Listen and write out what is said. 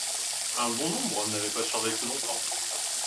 Un bon nombre n'avait pas survécu longtemps.